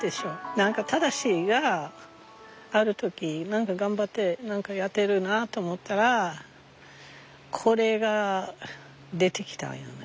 何か正がある時頑張って何かやってるなと思ったらこれが出てきたんよな。